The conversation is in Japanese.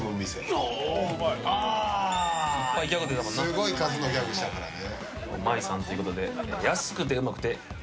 すごい数のギャグしたからね。